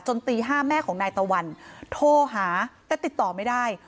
ตี๕แม่ของนายตะวันโทรหาแต่ติดต่อไม่ได้